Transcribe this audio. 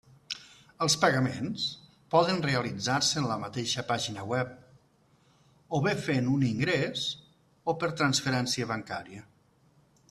Els pagaments poden realitzar-se en la mateixa pàgina web o bé fent un ingrés o per transferència bancària.